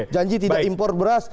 janji tidak impor beras